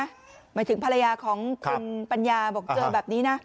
หมายถึงภรรยาของคุณปัญญาบอกเจอแบบนี้นะ